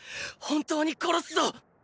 本当に殺すぞッ！